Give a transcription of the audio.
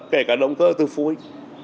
kể cả động cơ từ phối